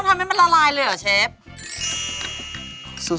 นี่เราต้องทำให้มันละลายเลยเหรอเชฟ